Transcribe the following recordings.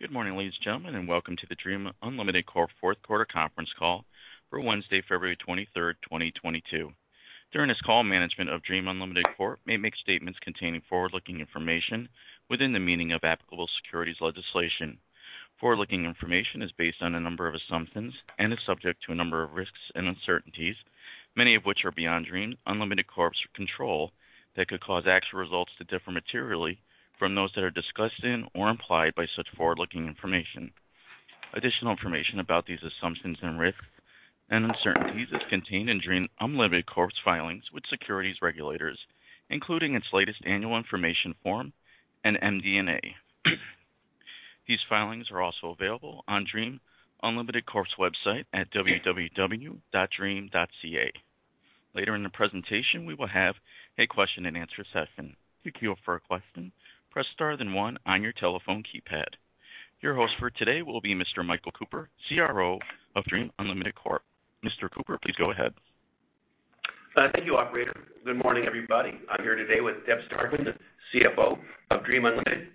Good morning, ladies and gentlemen, and welcome to the Dream Unlimited Corp fourth quarter conference call for Wednesday, February 23rd, 2022. During this call, management of Dream Unlimited Corp may make statements containing forward-looking information within the meaning of applicable securities legislation. Forward-looking information is based on a number of assumptions and is subject to a number of risks and uncertainties, many of which are beyond Dream Unlimited Corp's control, that could cause actual results to differ materially from those that are discussed in or implied by such forward-looking information. Additional information about these assumptions and risks and uncertainties is contained in Dream Unlimited Corp's filings with securities regulators, including its latest annual information form and MD&A. These filings are also available on Dream Unlimited Corp's website at www.dream.ca. Later in the presentation, we will have a question and answer session. To queue for a question, press star then one on your telephone keypad. Your host for today will be Mr. Michael Cooper, CRO of Dream Unlimited Corp. Mr. Cooper, please go ahead. Thank you, operator. Good morning, everybody. I'm here today with Deb Starkman, the CFO of Dream Unlimited.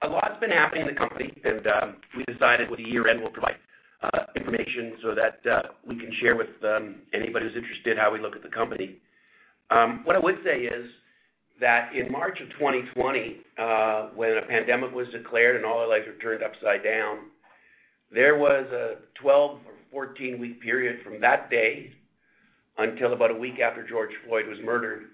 A lot's been happening in the company, and we decided with the year-end, we'll provide information so that we can share with anybody who's interested how we look at the company. What I would say is that in March of 2020, when a pandemic was declared and all our lives were turned upside down, there was a 12- or 14-week period from that day until about a week after George Floyd was murdered,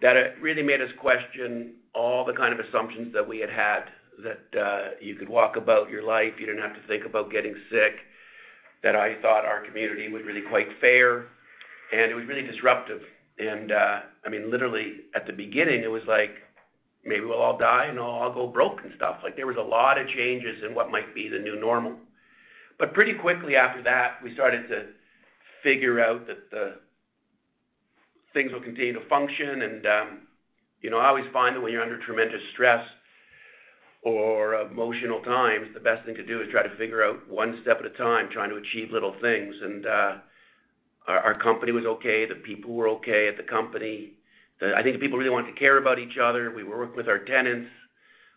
that it really made us question all the kind of assumptions that we had had, that you could walk about your life. You didn't have to think about getting sick, that I thought our community was really quite fair, and it was really disruptive. I mean, literally, at the beginning, it was like, maybe we'll all die, and I'll go broke and stuff. Like, there was a lot of changes in what might be the new normal. Pretty quickly after that, we started to figure out that the things will continue to function. You know, I always find that when you're under tremendous stress or emotional times, the best thing to do is try to figure out one step at a time, trying to achieve little things. Our company was okay. The people were okay at the company. I think the people really wanted to care about each other. We were working with our tenants,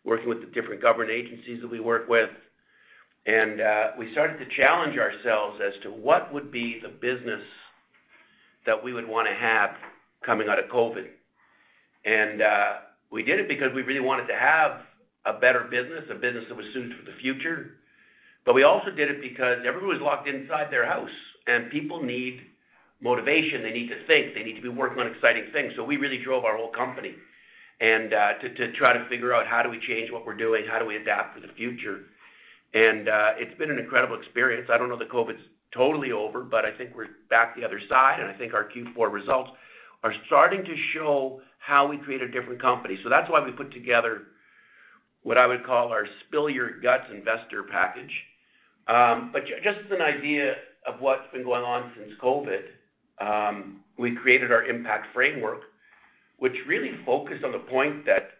working with the different government agencies that we work with. We started to challenge ourselves as to what would be the business that we would wanna have coming out of COVID. We did it because we really wanted to have a better business, a business that was suited for the future. We also did it because everyone was locked inside their house, and people need motivation. They need to think. They need to be working on exciting things. We really drove our whole company and to try to figure out how do we change what we're doing? How do we adapt for the future? It's been an incredible experience. I don't know that COVID's totally over, but I think we're back the other side, and I think our Q4 results are starting to show how we create a different company. That's why we put together what I would call our spill your guts investor package. But just as an idea of what's been going on since COVID, we created our impact framework, which really focused on the point that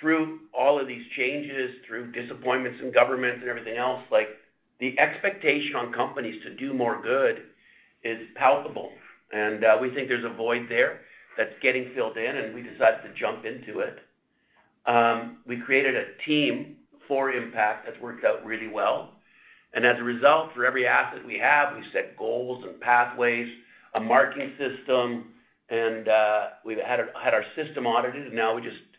through all of these changes, through disappointments in government and everything else, like, the expectation on companies to do more good is palpable. We think there's a void there that's getting filled in, and we decided to jump into it. We created a team for impact that's worked out really well. As a result, for every asset we have, we set goals and pathways, a marketing system, and we've had our system audited. Now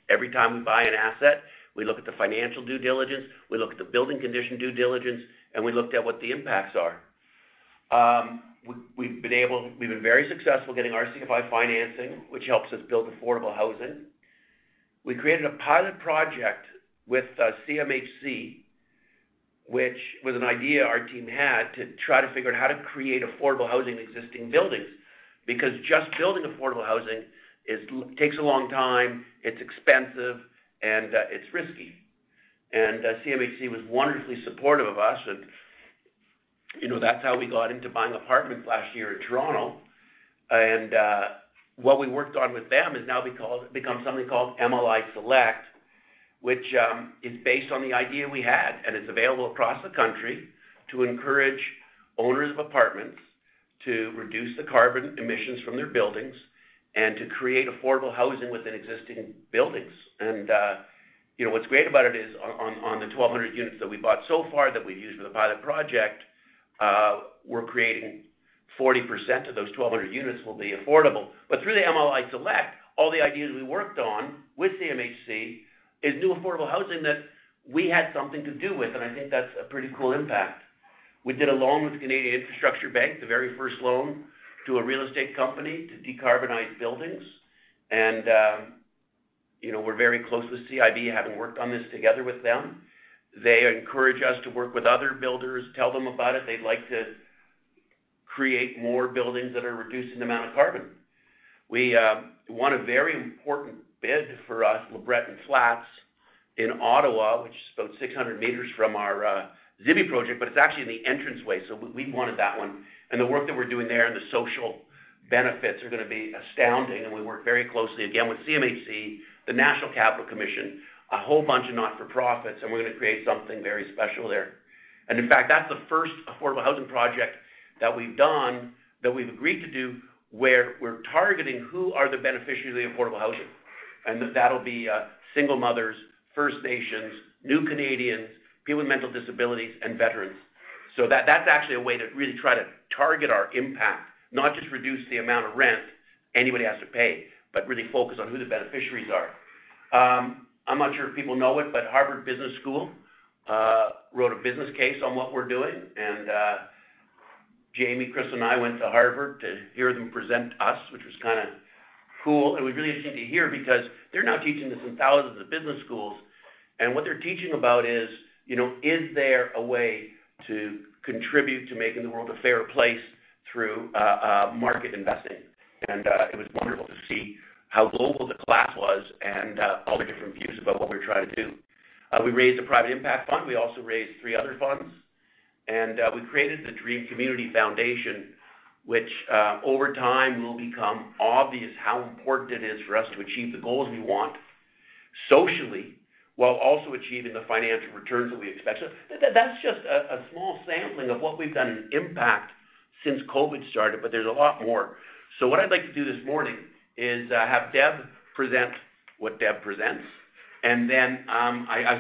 every time we buy an asset, we look at the financial due diligence, we look at the building condition due diligence, and we looked at what the impacts are. We've been very successful getting RCFI financing, which helps us build affordable housing. We created a pilot project with CMHC, which was an idea our team had to try to figure out how to create affordable housing in existing buildings. Because just building affordable housing takes a long time, it's expensive, and it's risky. CMHC was wonderfully supportive of us. You know, that's how we got into buying apartments last year in Toronto. What we worked on with them has now become something called MLI Select, which is based on the idea we had, and it's available across the country to encourage owners of apartments to reduce the carbon emissions from their buildings and to create affordable housing within existing buildings. You know, what's great about it is on the 1,200 units that we bought so far that we've used for the pilot project, we're creating 40% of those 1,200 units will be affordable. But through the MLI Select, all the ideas we worked on with CMHC is new affordable housing that we had something to do with, and I think that's a pretty cool impact. We did a loan with Canada Infrastructure Bank, the very first loan to a real estate company to decarbonize buildings. You know, we're very close with CIB, having worked on this together with them. They encourage us to work with other builders, tell them about it. They'd like to create more buildings that are reducing the amount of carbon. We won a very important bid for us, LeBreton Flats in Ottawa, which is about 600 meters from our Zibi project, but it's actually in the entranceway, so we wanted that one. The work that we're doing there and the social benefits are gonna be astounding. We work very closely, again, with CMHC, the National Capital Commission, a whole bunch of not-for-profits, and we're gonna create something very special there. In fact, that's the first affordable housing project that we've done, that we've agreed to do, where we're targeting who are the beneficiaries of the affordable housing. That'll be single mothers, First Nations, new Canadians, people with mental disabilities, and veterans. That's actually a way to really try to target our impact, not just reduce the amount of rent anybody has to pay, but really focus on who the beneficiaries are. I'm not sure if people know it, but Harvard Business School wrote a business case on what we're doing. Jamie, Chris, and I went to Harvard to hear them present us, which was kind of cool. It was really interesting to hear because they're now teaching this in thousands of business schools. What they're teaching about is, you know, is there a way to contribute to making the world a fairer place through market investing? It was wonderful to see how global the class was and all the different views about what we're trying to do. We raised a private impact fund. We also raised three other funds. We created the Dream Community Foundation, which over time will become obvious how important it is for us to achieve the goals we want socially while also achieving the financial returns that we expect. That's just a small sampling of what we've done in impact since COVID started, but there's a lot more. What I'd like to do this morning is have Deb present what Deb presents. I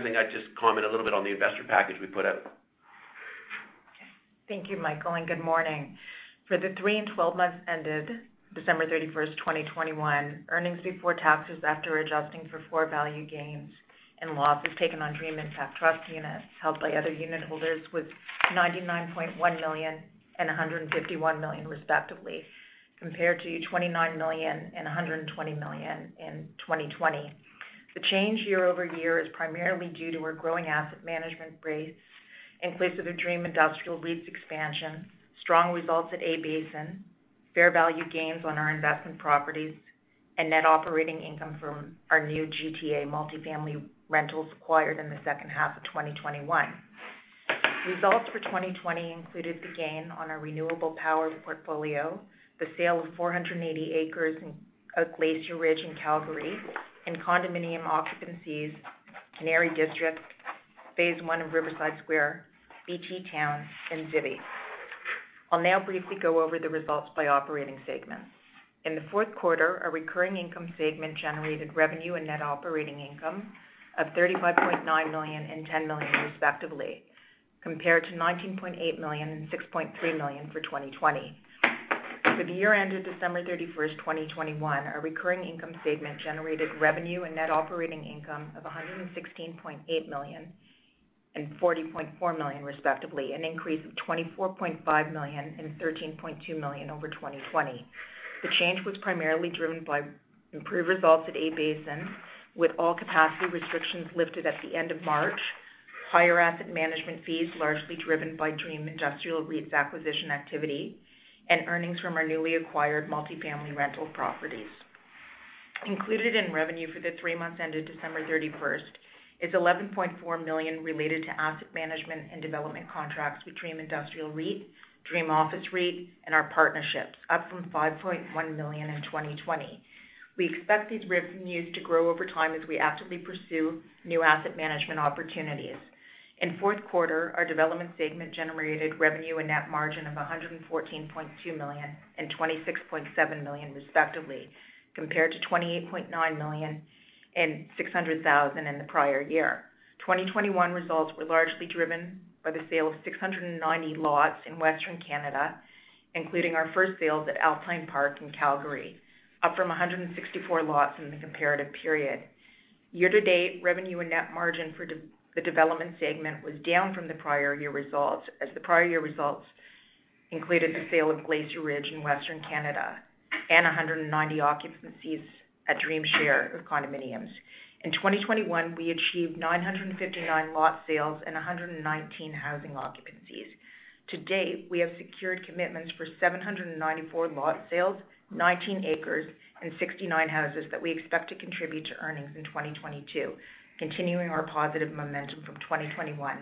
think I'd just comment a little bit on the investor package we put out. Thank you, Michael, and good morning. For the three and 12 months ended December 31st, 2021, earnings before taxes after adjusting for fair value gains and losses taken on Dream Impact Trust units held by other unit holders was 99.1 million and 151 million respectively, compared to 29 million and 120 million in 2020. The change year-over-year is primarily due to our growing asset management base, inclusive of Dream Industrial REIT's expansion, strong results at A-Basin, fair value gains on our investment properties, and net operating income from our new GTA multifamily rentals acquired in the second half of 2021. Results for 2020 included the gain on our renewable power portfolio, the sale of 480 acres in Glacier Ridge in Calgary, and condominium occupancies, Canary District, phase one of Riverside Square, BT Town, and Zibi. I'll now briefly go over the results by operating segments. In the fourth quarter, our recurring income segment generated revenue and net operating income of 35.9 million and 10 million respectively, compared to 19.8 million and 6.3 million for 2020. For the year ended December 31st, 2021, our recurring income segment generated revenue and net operating income of 116.8 million and 40.4 million respectively, an increase of 24.5 million and 13.2 million over 2020. The change was primarily driven by improved results at A-Basin, with all capacity restrictions lifted at the end of March, higher asset management fees largely driven by Dream Industrial REIT's acquisition activity, and earnings from our newly acquired multifamily rental properties. Included in revenue for the three months ended December 31st is 11.4 million related to asset management and development contracts with Dream Industrial REIT, Dream Office REIT, and our partnerships, up from 5.1 million in 2020. We expect these revenues to grow over time as we actively pursue new asset management opportunities. In fourth quarter, our development segment generated revenue and net margin of 114.2 million and 26.7 million respectively, compared to 28.9 million and 600,000 in the prior year. 2021 results were largely driven by the sale of 690 lots in Western Canada, including our first sales at Alpine Park in Calgary, up from 164 lots in the comparative period. Year to date, revenue and net margin for the development segment was down from the prior year results as the prior year results included the sale of Glacier Ridge in Western Canada and 190 occupancies at Dream's share of condominiums. In 2021, we achieved 959 lot sales and 119 housing occupancies. To date, we have secured commitments for 794 lot sales, 19 acres, and 69 houses that we expect to contribute to earnings in 2022, continuing our positive momentum from 2021.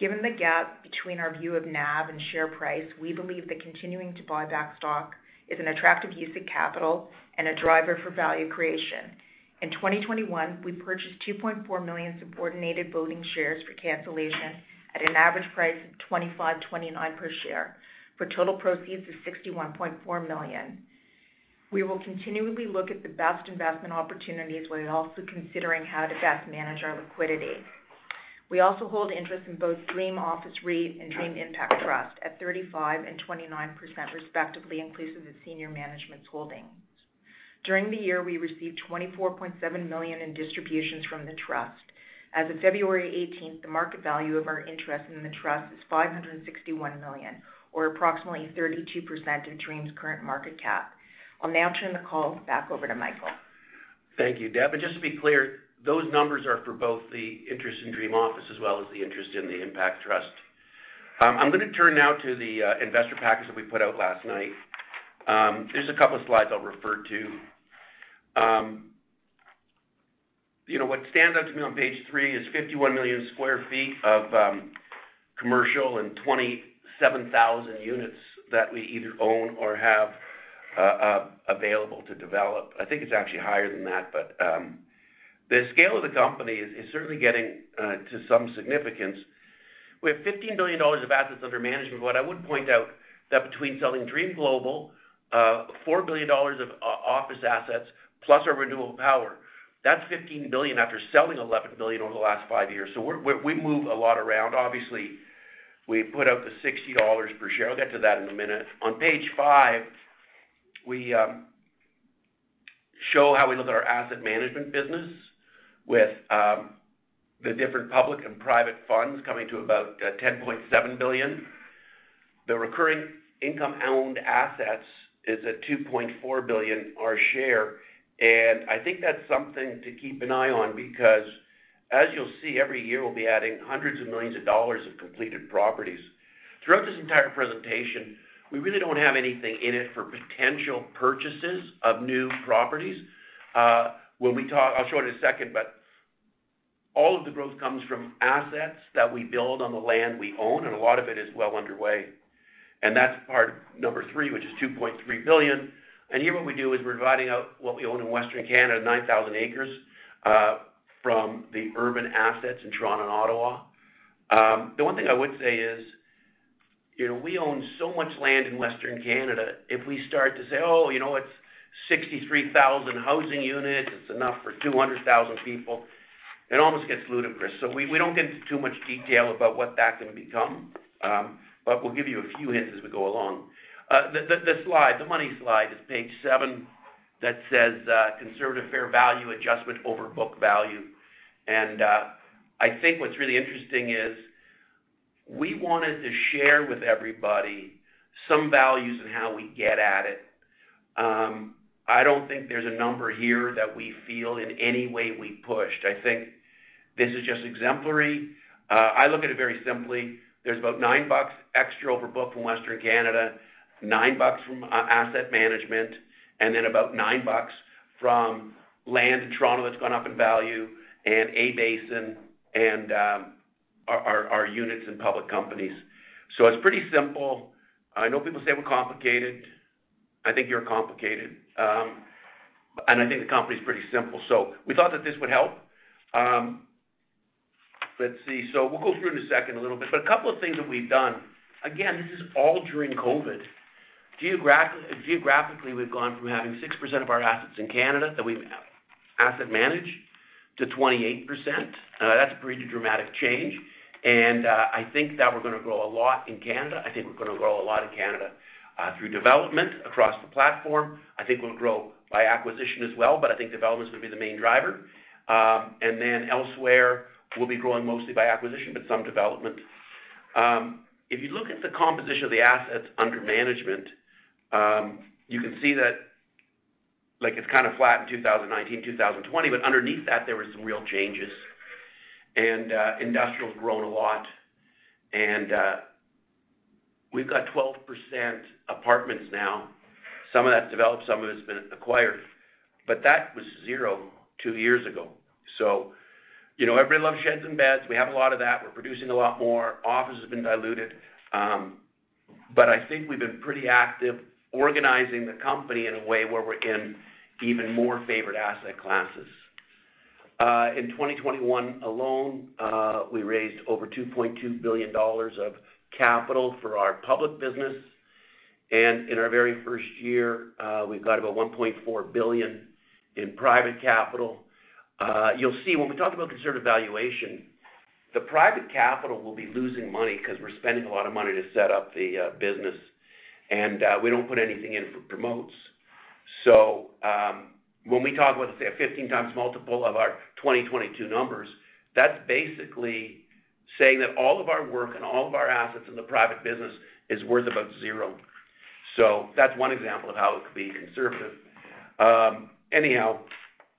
Given the gap between our view of NAV and share price, we believe that continuing to buy back stock is an attractive use of capital and a driver for value creation. In 2021, we purchased 2.4 million subordinated voting shares for cancellation at an average price of 25.29 per share for total proceeds of 61.4 million. We will continually look at the best investment opportunities while also considering how to best manage our liquidity. We also hold interest in both Dream Office REIT and Dream Impact Trust at 35% and 29% respectively, inclusive of senior management's holdings. During the year, we received 24.7 million in distributions from the trust. As of February 18th, the market value of our interest in the trust is 561 million, or approximately 32% of Dream's current market cap. I'll now turn the call back over to Michael. Thank you, Deb. Just to be clear, those numbers are for both the interest in Dream Office as well as the interest in the Impact Trust. I'm gonna turn now to the investor package that we put out last night. Just a couple of slides I'll refer to. You know, what stands out to me on Page 3 is 51 million sq ft of commercial and 27,000 units that we either own or have available to develop. I think it's actually higher than that, but the scale of the company is certainly getting to some significance. We have 15 billion dollars of assets under management. What I would point out that between selling Dream Global, 4 billion dollars of office assets plus our renewable power, that's 15 billion after selling 11 billion over the last 5 years. We move a lot around. Obviously, we put out 60 dollars per share. I'll get to that in a minute. On Page 5, we show how we look at our asset management business with the different public and private funds coming to about 10.7 billion. The recurring income-owned assets is at 2.4 billion our share. I think that's something to keep an eye on because as you'll see, every year, we'll be adding hundreds of millions of CAD of completed properties. Throughout this entire presentation, we really don't have anything in it for potential purchases of new properties. When we talk, I'll show it in a second, but all of the growth comes from assets that we build on the land we own, and a lot of it is well underway. That's part number three, which is 2.3 billion. Here what we do is we're dividing out what we own in Western Canada, 9,000 acres, from the urban assets in Toronto and Ottawa. The one thing I would say is, you know, we own so much land in Western Canada. If we start to say, "Oh, you know, it's 63,000 housing units, it's enough for 200,000 people," it almost gets ludicrous. We don't get into too much detail about what that can become, but we'll give you a few hints as we go along. The slide, the money slide is Page 7 that says, conservative fair value adjustment over book value. I think what's really interesting is we wanted to share with everybody some values on how we get at it. I don't think there's a number here that we feel in any way we pushed. I think this is just exemplary. I look at it very simply. There's about 9 bucks extra over book from Western Canada, 9 bucks from asset management, and then about 9 bucks from land in Toronto that's gone up in value, and A-Basin and our units in public companies. It's pretty simple. I know people say we're complicated. I think you're complicated. I think the company is pretty simple. We thought that this would help. Let's see. We'll go through in a second a little bit. A couple of things that we've done, again, this is all during COVID. Geographically, we've gone from having 6% of our assets in Canada that we've asset managed to 28%. That's a pretty dramatic change, and I think that we're gonna grow a lot in Canada through development across the platform. I think we'll grow by acquisition as well, but I think development is gonna be the main driver. Elsewhere, we'll be growing mostly by acquisition, but some development. If you look at the composition of the assets under management, you can see that, like, it's kinda flat in 2019, 2020, but underneath that, there were some real changes. Industrial's grown a lot. We've got 12% apartments now. Some of that's developed, some of it's been acquired. That was zero, two years ago. You know, everybody loves sheds and beds. We have a lot of that. We're producing a lot more. Office has been diluted. I think we've been pretty active organizing the company in a way where we're in even more favored asset classes. In 2021 alone, we raised over 2.2 billion dollars of capital for our public business. In our very first year, we've got about 1.4 billion in private capital. You'll see when we talk about conservative valuation, the private capital will be losing money 'cause we're spending a lot of money to set up the business, and we don't put anything in for promotes. When we talk about, say, a 15x multiple of our 2022 numbers, that's basically saying that all of our work and all of our assets in the private business is worth about zero. That's one example of how it could be conservative.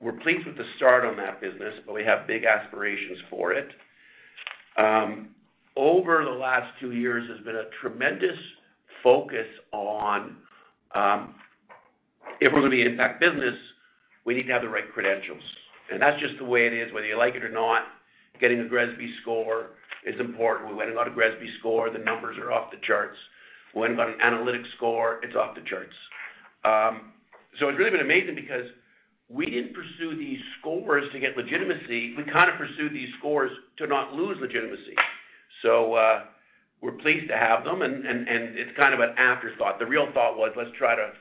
We're pleased with the start on that business, but we have big aspirations for it. Over the last two years, there's been a tremendous focus on if we're gonna be an impact business, we need to have the right credentials. That's just the way it is, whether you like it or not. Getting a GRESB score is important. We went and got a GRESB score. The numbers are off the charts. We went and got an analytics score. It's off the charts. It's really been amazing because we didn't pursue these scores to get legitimacy. We kinda pursued these scores to not lose legitimacy. We're pleased to have them and it's kind of an afterthought. The real thought was let's try to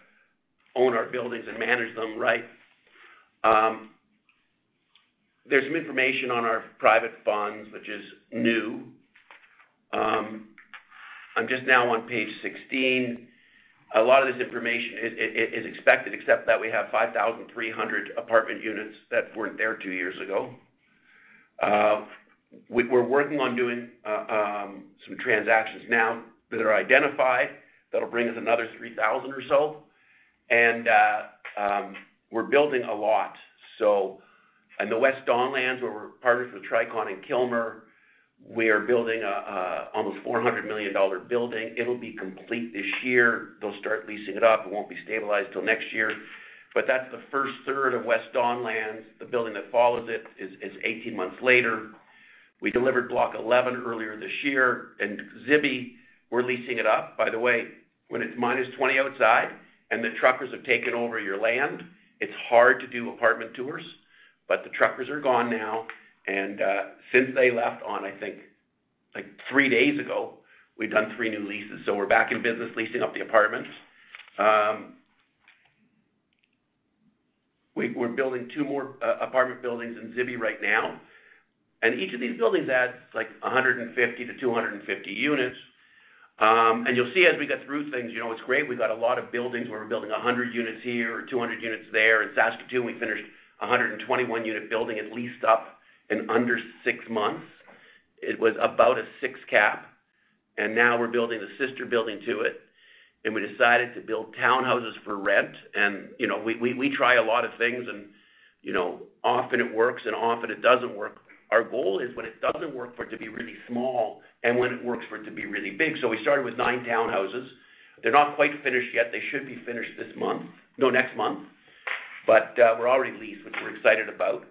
own our buildings and manage them right. There's some information on our private funds, which is new. I'm just now on Page 16. A lot of this information is expected, except that we have 5,300 apartment units that weren't there two years ago. We're working on doing some transactions now that are identified. That'll bring us another 3,000 or so. We're building a lot. In the West Don Lands, where we're partnered with Tricon and Kilmer, we are building almost a 400 million dollar building. It'll be complete this year. They'll start leasing it up. It won't be stabilized till next year. That's the first third of West Don Lands. The building that follows it is 18 months later. We delivered Block 11 earlier this year. Zibi, we're leasing it up. By the way, when it's -20 outside and the truckers have taken over your land, it's hard to do apartment tours. The truckers are gone now, and since they left on, I think, like, three days ago, we've done three new leases. We're back in business leasing up the apartments. We're building two more apartment buildings in Zibi right now. Each of these buildings adds, like, 150-250 units. You'll see as we get through things, you know, it's great. We've got a lot of buildings where we're building 100 units here or 200 units there. In Saskatoon, we finished a 121-unit building it leased up in under 6 months. It was about a 6 CAP. Now we're building the sister building to it. We decided to build townhouses for rent. You know, we try a lot of things and, you know, often it works and often it doesn't work. Our goal is when it doesn't work for it to be really small and when it works for it to be really big. We started with 9 townhouses. They're not quite finished yet. They should be finished next month. We're already leased, which we're excited about.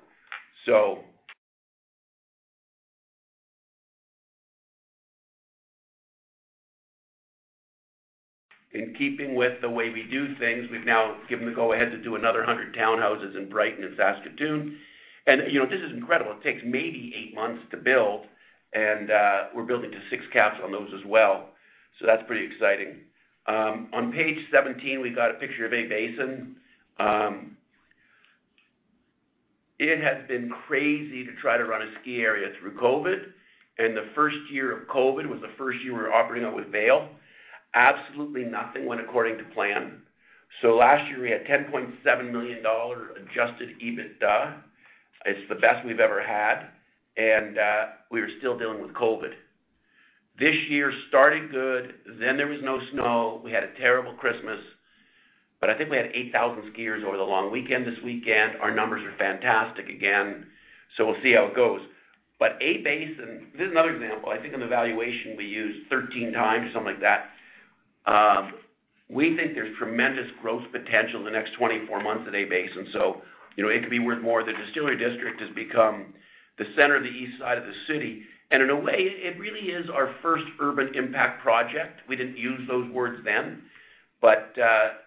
In keeping with the way we do things, we've now given the go-ahead to do another 100 townhouses in Brighton and Saskatoon. You know, this is incredible. It takes maybe 8 months to build and we're building to 6 CAPs on those as well. That's pretty exciting. On Page 17, we've got a picture of A-Basin. It has been crazy to try to run a ski area through COVID, and the first year of COVID was the first year we were operating it with Vail. Absolutely nothing went according to plan. Last year we had $10.7 million Adjusted EBITDA. It's the best we've ever had, and we were still dealing with COVID. This year started good, then there was no snow. We had a terrible Christmas, but I think we had 8,000 skiers over the long weekend this weekend. Our numbers are fantastic again, so we'll see how it goes. A-Basin. This is another example. I think in the valuation we used 13x or something like that. We think there's tremendous growth potential in the next 24 months at A-Basin. You know, it could be worth more. The Distillery District has become the center of the east side of the city, and in a way, it really is our first urban impact project. We didn't use those words then, but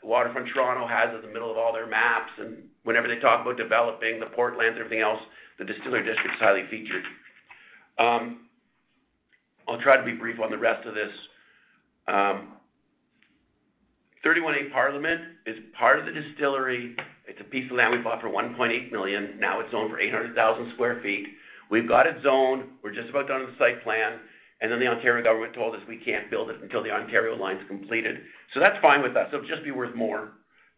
Waterfront Toronto has it in the middle of all their maps. Whenever they talk about developing the Port Lands and everything else, the Distillery District is highly featured. I'll try to be brief on the rest of this. 318 Parliament is part of the Distillery District. It's a piece of land we bought for 1.8 million. Now it's zoned for 800,000 sq ft. We've got it zoned. We're just about done with the site plan, and then the Ontario government told us we can't build it until the Ontario Line's completed. That's fine with us. It'll just be worth more,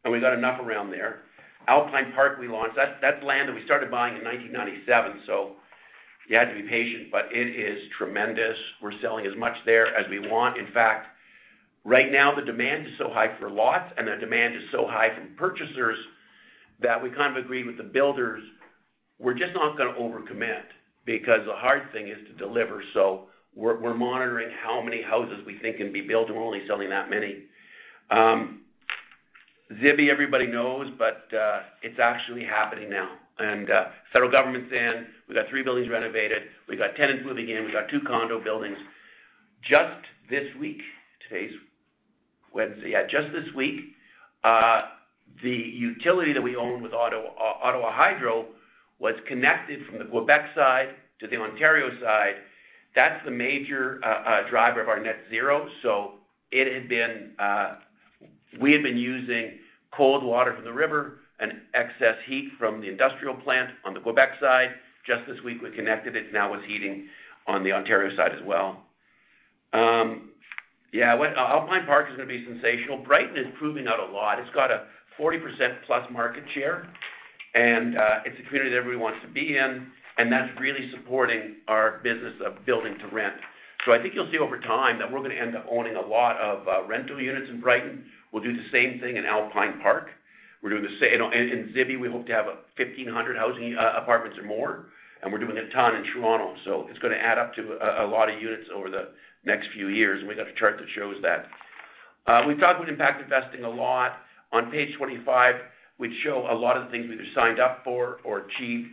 and we got enough around there. Alpine Park we launched. That's land that we started buying in 1997. You had to be patient, but it is tremendous. We're selling as much there as we want. In fact, right now the demand is so high for lots and the demand is so high from purchasers that we kind of agree with the builders. We're just not gonna overcommit because the hard thing is to deliver. We're monitoring how many houses we think can be built, and we're only selling that many. Zibi everybody knows, but it's actually happening now. Federal government's in. We got three buildings renovated. We got tenants moving in. We got two condo buildings. Just this week. Today's Wednesday. Just this week, the utility that we own with Hydro Ottawa was connected from the Quebec side to the Ontario side. That's the major driver of our net zero. It had been. We had been using cold water from the river and excess heat from the industrial plant on the Quebec side. Just this week we connected it. Now it's heating on the Ontario side as well. Alpine Park is gonna be sensational. Brightwater is proving out a lot. It's got a 40%+ market share and it's a community that everybody wants to be in, and that's really supporting our business of building to rent. I think you'll see over time that we're gonna end up owning a lot of rental units in Brightwater. We'll do the same thing in Alpine Park. We're doing the same. You know, in Zibi, we hope to have 1,500 housing apartments or more, and we're doing a ton in Toronto. It's gonna add up to a lot of units over the next few years, and we've got a chart that shows that. We talk about impact investing a lot. On Page 25, we show a lot of the things we've either signed up for or achieved.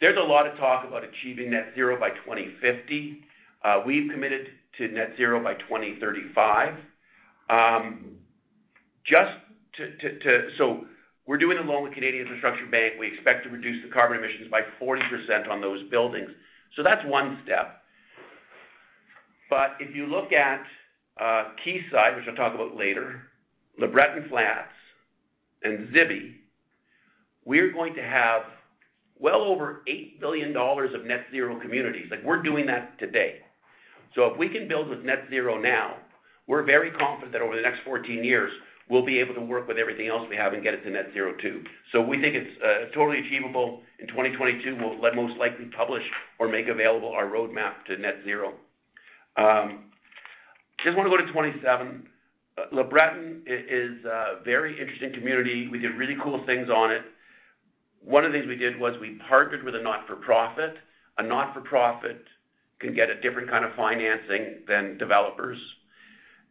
There's a lot of talk about achieving net zero by 2050. We've committed to net zero by 2035. We're doing a loan with Canada Infrastructure Bank. We expect to reduce the carbon emissions by 40% on those buildings. That's one step. If you look at Quayside, which I'll talk about later, LeBreton Flats, and Zibi, we're going to have well over 8 billion dollars of net zero communities. Like, we're doing that today. If we can build with net zero now, we're very confident that over the next 14 years, we'll be able to work with everything else we have and get it to net zero too. We think it's totally achievable. In 2022, we'll most likely publish or make available our roadmap to net zero. Just wanna go to 27. LeBreton is a very interesting community. We did really cool things on it. One of the things we did was we partnered with a not-for-profit. A not-for-profit can get a different kind of financing than developers.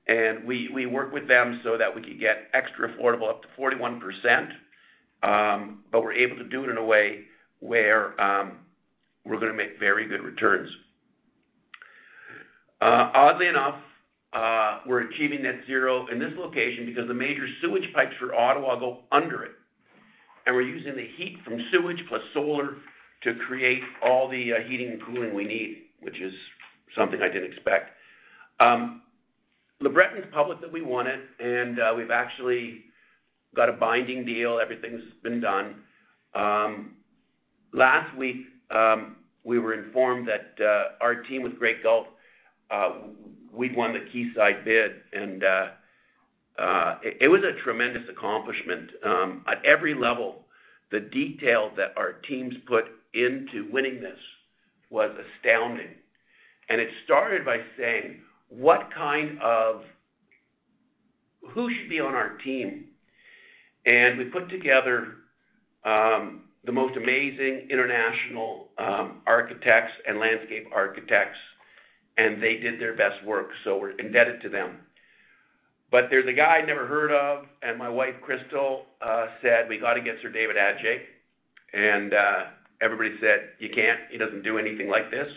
We work with them so that we could get extra affordable up to 41%. But we're able to do it in a way where we're gonna make very good returns. Oddly enough, we're achieving net zero in this location because the major sewage pipes for Ottawa go under it, and we're using the heat from sewage plus solar to create all the heating and cooling we need, which is something I didn't expect. LeBreton’s public that we want it, and we've actually got a binding deal. Everything's been done. Last week, we were informed that our team with Great Gulf we'd won the Quayside bid, and it was a tremendous accomplishment. At every level, the detail that our teams put into winning this was astounding. It started by saying, "Who should be on our team?" We put together the most amazing international architects and landscape architects, and they did their best work, so we're indebted to them. There's a guy I'd never heard of, and my wife, Crystal, said, "We've got to get Sir David Adjaye." Everybody said, "You can't. He doesn't do anything like this."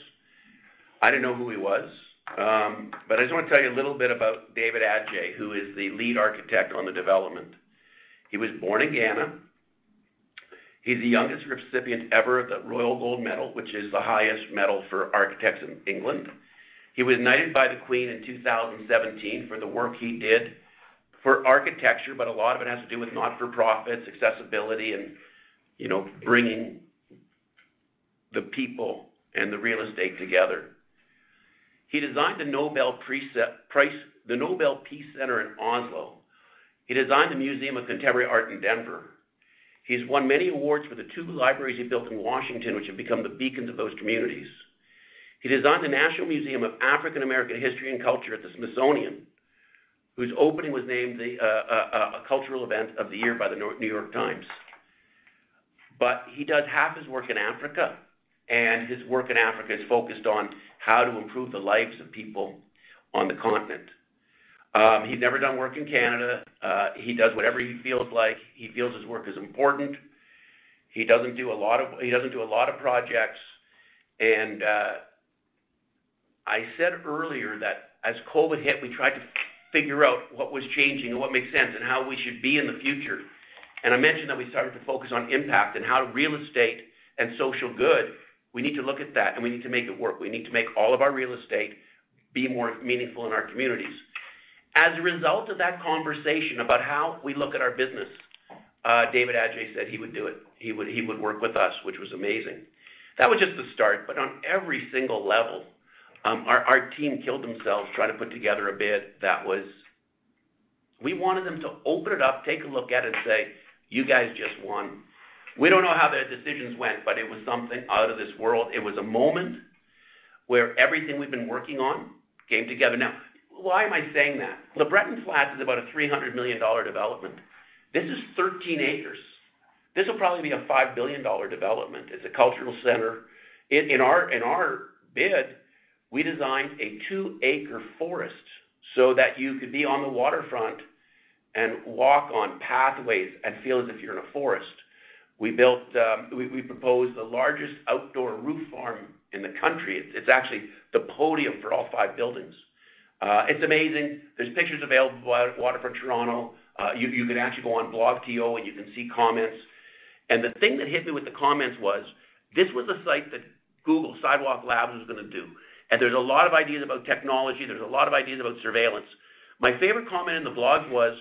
I didn't know who he was. I just wanna tell you a little bit about David Adjaye, who is the lead architect on the development. He was born in Ghana. He's the youngest recipient ever of the Royal Gold Medal, which is the highest medal for architects in England. He was knighted by the Queen in 2017 for the work he did for architecture, but a lot of it has to do with not-for-profits, accessibility and, you know, bringing the people and the real estate together. He designed the Nobel Peace Center in Oslo. He designed the Museum of Contemporary Art in Denver. He's won many awards for the two libraries he built in Washington, which have become the beacons of those communities. He designed the National Museum of African American History and Culture at the Smithsonian, whose opening was named a cultural event of the year by the New York Times. He does half his work in Africa, and his work in Africa is focused on how to improve the lives of people on the continent. He's never done work in Canada. He does whatever he feels like. He feels his work is important. He doesn't do a lot of projects. I said earlier that as COVID hit, we tried to figure out what was changing and what makes sense and how we should be in the future. I mentioned that we started to focus on impact and how real estate and social good, we need to look at that, and we need to make it work. We need to make all of our real estate be more meaningful in our communities. As a result of that conversation about how we look at our business, David Adjaye said he would do it. He would work with us, which was amazing. That was just the start. On every single level, our team killed themselves trying to put together a bid that was. We wanted them to open it up, take a look at it and say, "You guys just won." We don't know how their decisions went, but it was something out of this world. It was a moment where everything we've been working on came together. Now, why am I saying that? LeBreton Flats is about a 300 million dollar development. This is 13 acres. This will probably be a 5 billion dollar development. It's a cultural center. In our bid, we designed a 2-acre forest so that you could be on the waterfront and walk on pathways and feel as if you're in a forest. We proposed the largest outdoor roof farm in the country. It's actually the podium for all five buildings. It's amazing. There are pictures available by Waterfront Toronto. You can actually go on blogto, and you can see comments. The thing that hit me with the comments was, this was a site that Google Sidewalk Labs was gonna do. There's a lot of ideas about technology. There's a lot of ideas about surveillance. My favorite comment in the blog was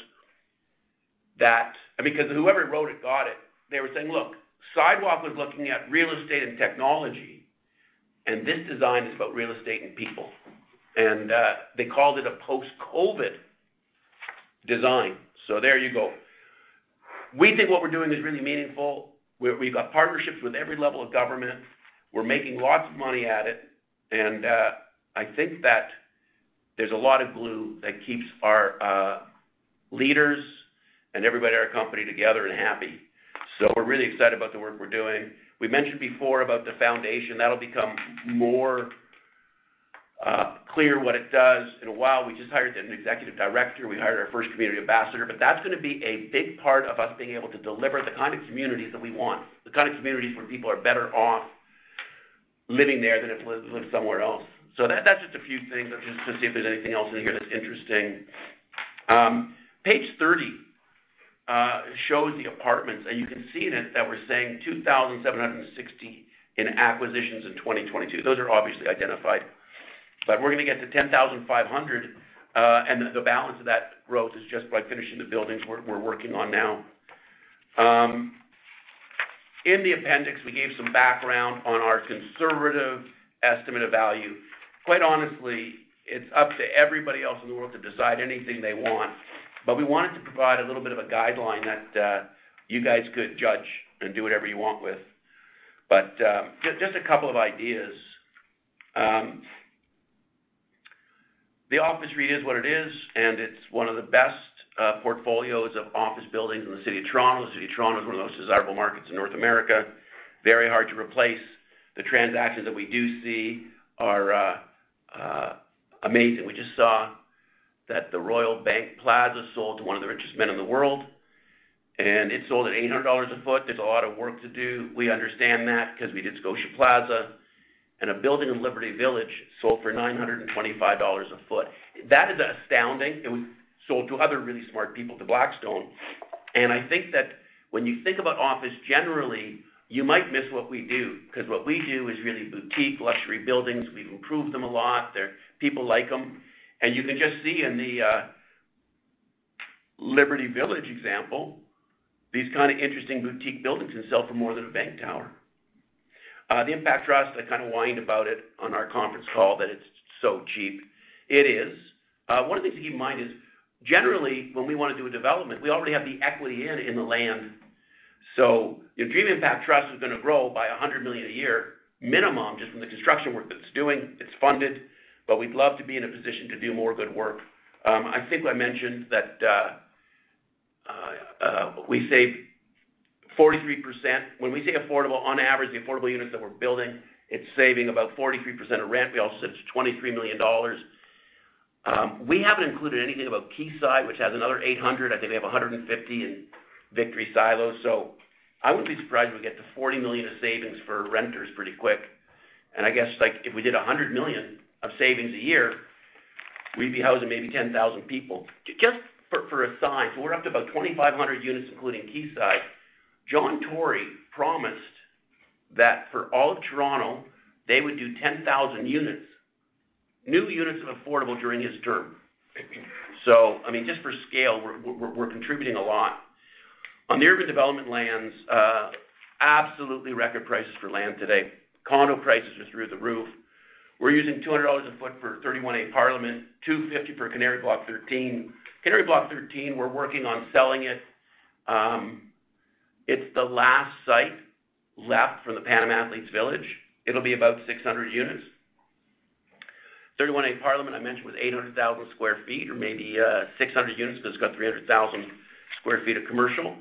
that—I mean, 'cause whoever wrote it got it. They were saying, "Look, Sidewalk was looking at real estate and technology, and this design is about real estate and people." They called it a post-COVID design. There you go. We think what we're doing is really meaningful. We've got partnerships with every level of government. We're making lots of money at it. I think that there's a lot of glue that keeps our leaders and everybody at our company together and happy. We're really excited about the work we're doing. We mentioned before about the foundation. That'll become more clear what it does in a while. We just hired an executive director. We hired our first community ambassador. That's gonna be a big part of us being able to deliver the kind of communities that we want, the kind of communities where people are better off living there than if lived somewhere else. That's just a few things. Let's just see if there's anything else in here that's interesting. Page 30 shows the apartments. You can see in it that we're saying 2,760 in acquisitions in 2022. Those are obviously identified. We're gonna get to 10,500, and the balance of that growth is just by finishing the buildings we're working on now. In the appendix, we gave some background on our conservative estimate of value. Quite honestly, it's up to everybody else in the world to decide anything they want. We wanted to provide a little bit of a guideline that you guys could judge and do whatever you want with. Just a couple of ideas. The office REIT is what it is, and it's one of the best portfolios of office buildings in the city of Toronto. The city of Toronto is one of the most desirable markets in North America, very hard to replace. The transactions that we do see are amazing. We just saw that the Royal Bank Plaza sold to one of the richest men in the world, and it sold at 800 dollars a foot. There's a lot of work to do. We understand that 'cause we did Scotia Plaza, and a building in Liberty Village sold for 925 dollars a foot. That is astounding. It was sold to other really smart people, to Blackstone. I think that when you think about office generally, you might miss what we do. 'Cause what we do is really boutique luxury buildings. We've improved them a lot. They're. People like them. You can just see in the Liberty Village example, these kind of interesting boutique buildings can sell for more than a bank tower. The Impact Trust, I kind of whined about it on our conference call that it's so cheap. It is. One of the things to keep in mind is, generally, when we wanna do a development, we already have the equity in the land. If Dream Impact Trust is gonna grow by 100 million a year minimum, just from the construction work that it's doing, it's funded, but we'd love to be in a position to do more good work. I think I mentioned that we saved 43%. When we say affordable, on average, the affordable units that we're building, it's saving about 43% of rent. We also said it's 23 million dollars. We haven't included anything about Quayside, which has another 800. I think they have 150 in Victory Silos. I wouldn't be surprised if we get to 40 million of savings for renters pretty quick. I guess, like, if we did 100 million of savings a year, we'd be housing maybe 10,000 people. Just for a size, we're up to about 2,500 units, including Quayside. John Tory promised that for all of Toronto, they would do 10,000 units, new units of affordable during his term. I mean, just for scale, we're contributing a lot. On the urban development lands, absolutely record prices for land today. Condo prices are through the roof. We're using 200 dollars a foot for 318 Parliament, 250 for Canary Block 13. Canary Block 13, we're working on selling it. It's the last site left from the Pan Am Athletes Village. It'll be about 600 units. 318 Parliament, I mentioned, with 800,000 sq ft or maybe 600 units, 'cause it's got 300,000 sq ft of commercial.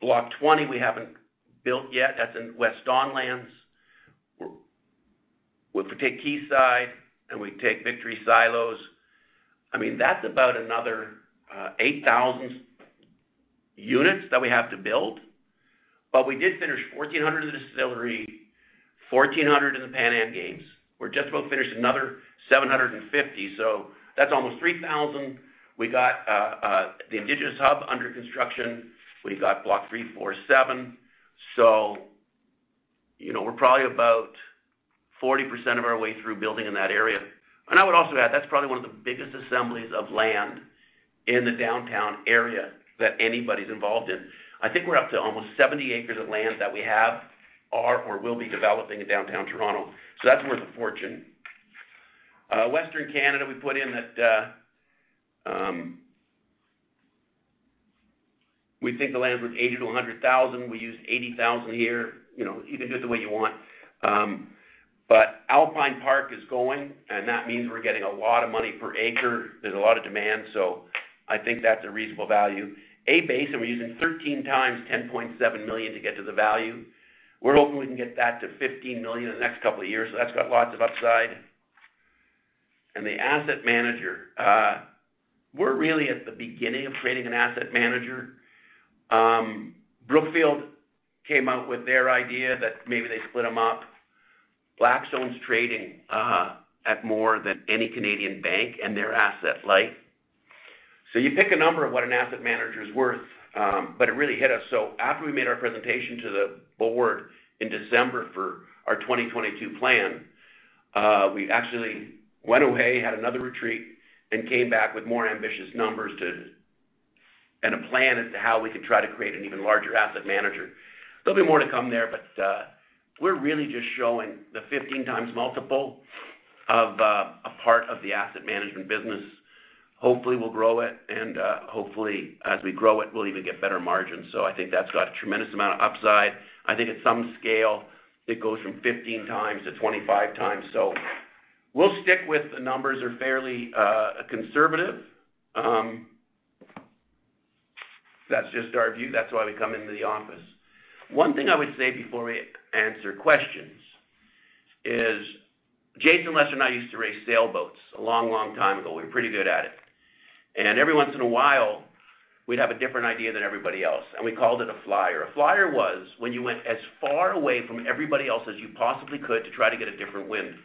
Block 20 we haven't built yet. That's in West Don Lands. If we take Quayside and we take Victory Silos, I mean, that's about another 8,000 units that we have to build. We did finish 1,400 in Distillery, 1,400 in the Pan Am Games. We're just about finished another 750, so that's almost 3,000. We got the Indigenous Hub under construction. We've got Blocks 3, 4, and 7. You know, we're probably about 40% of our way through building in that area. I would also add, that's probably one of the biggest assemblies of land in the downtown area that anybody's involved in. I think we're up to almost 70 acres of land that we have, are or will be developing in downtown Toronto. That's worth a fortune. Western Canada, we put in that. We think the land was 80,000-100,000. We used 80,000 here. You know, you can do it the way you want. But Alpine Park is going, and that means we're getting a lot of money per acre. There's a lot of demand, so I think that's a reasonable value. A-Base, and we're using 13x 10.7 million to get to the value. We're hoping we can get that to 15 million in the next couple of years. That's got lots of upside. The asset manager, we're really at the beginning of creating an asset manager. Brookfield came out with their idea that maybe they split them up. Blackstone's trading at more than any Canadian bank, and they're asset-light. You pick a number of what an asset manager is worth, but it really hit us. After we made our presentation to the board in December for our 2022 plan, we actually went away, had another retreat, and came back with more ambitious numbers and a plan as to how we could try to create an even larger asset manager. There'll be more to come there, but, we're really just showing the 15x multiple of a part of the asset management business. Hopefully, we'll grow it, and, hopefully, as we grow it, we'll even get better margins. I think that's got a tremendous amount of upside. I think at some scale, it goes from 15x to 25x. We'll stick with the numbers are fairly conservative. That's just our view. That's why we come into the office. One thing I would say before we answer questions is Jason Lester and I used to race sailboats a long, long time ago. We were pretty good at it. Every once in a while we'd have a different idea than everybody else, and we called it a flyer. A flyer was when you went as far away from everybody else as you possibly could to try to get a different wind.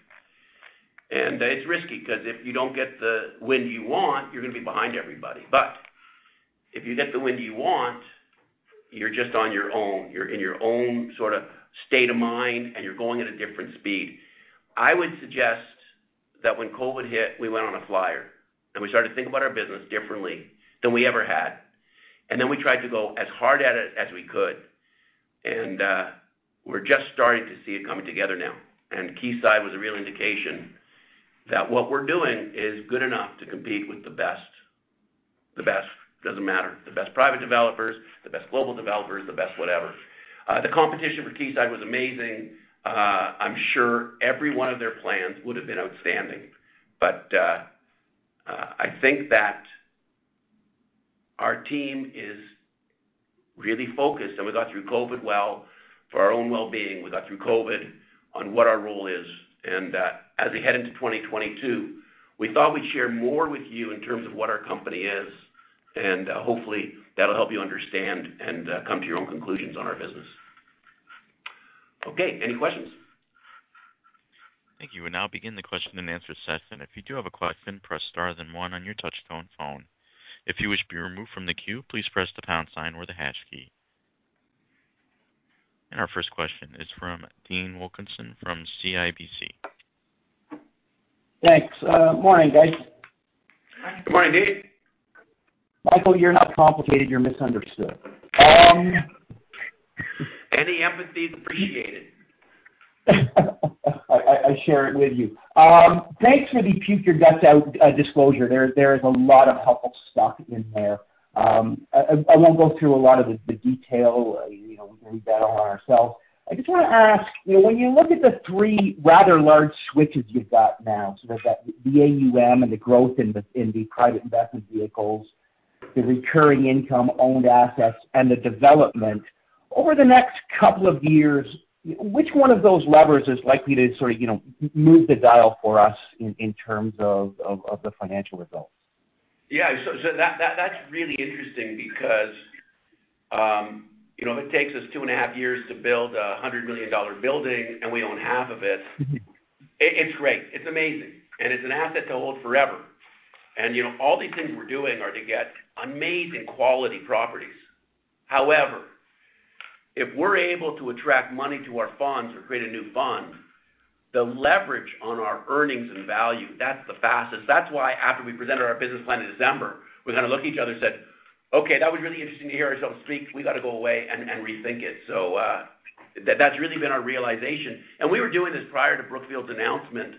It's risky 'cause if you don't get the wind you want, you're gonna be behind everybody. If you get the wind you want, you're just on your own. You're in your own sorta state of mind, and you're going at a different speed. I would suggest that when COVID hit, we went on a flyer, and we started to think about our business differently than we ever had. We tried to go as hard at it as we could, and we're just starting to see it coming together now. Quayside was a real indication that what we're doing is good enough to compete with the best. The best doesn't matter. The best private developers, the best global developers, the best whatever. The competition for Quayside was amazing. I'm sure every one of their plans would have been outstanding. I think our team is really focused, and we got through COVID well. For our own well-being, we got through COVID on what our role is. As we head into 2022, we thought we'd share more with you in terms of what our company is, and hopefully that'll help you understand and come to your own conclusions on our business. Okay. Any questions? Thank you. We'll now begin the question and answer session. If you do have a question, press star then one on your touchtone phone. If you wish to be removed from the queue, please press the pound sign or the hash key. Our first question is from Dean Wilkinson from CIBC. Thanks. Good morning, guys. Good morning, Dean. Michael, you're not complicated, you're misunderstood. Any empathy is appreciated. I share it with you. Thanks for the puke your guts out disclosure. There is a lot of helpful stuff in there. I won't go through a lot of the detail. You know, we can read that all ourselves. I just wanna ask, you know, when you look at the three rather large switches you've got now, so there's that, the AUM and the growth in the private investment vehicles, the recurring income owned assets, and the development. Over the next couple of years, which one of those levers is likely to sort of, you know, move the dial for us in terms of the financial results? That’s really interesting because, you know, if it takes us 2.5 years to build a 100 million dollar building and we own half of it. It's great. It's amazing. It's an asset to hold forever. You know, all these things we're doing are to get amazing quality properties. However, if we're able to attract money to our funds or create a new fund, the leverage on our earnings and value, that's the fastest. That's why after we presented our business plan in December, we kind of looked at each other and said, "Okay, that was really interesting to hear ourselves speak. We gotta go away and rethink it." That's really been our realization. We were doing this prior to Brookfield's announcement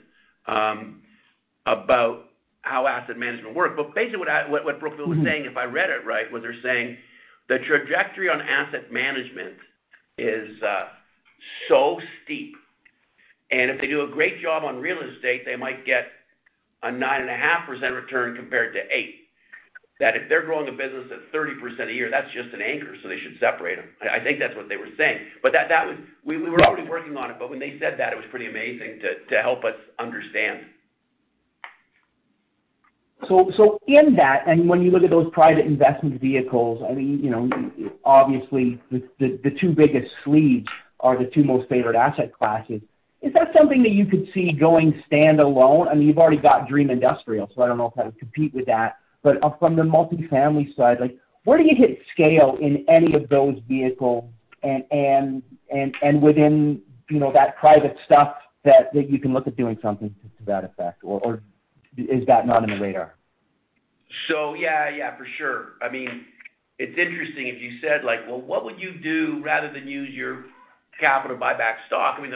about how asset management worked. Basically what Brookfield was saying, if I read it right, was that they're saying the trajectory on asset management is so steep, and if they do a great job on real estate, they might get a 9.5% return compared to 8%. That if they're growing a business at 30% a year, that's just an anchor, so they should separate them. I think that's what they were saying. That was... We were already working on it, but when they said that, it was pretty amazing to help us understand. In that, and when you look at those private investment vehicles, I mean, you know, obviously, the two biggest sleeves are the two most favored asset classes. Is that something that you could see going standalone? I mean, you've already got Dream Industrial, so I don't know if that would compete with that. From the multifamily side, like, where do you hit scale in any of those vehicles and within, you know, that private stuff that you can look at doing something to that effect or is that not on the radar? Yeah, for sure. I mean, it's interesting, if you said like, "Well, what would you do rather than use your capital to buy back stock?" I mean,